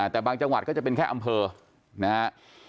แต่บางจังหวัดก็จะเป็นแค่อำเภอนะฮะ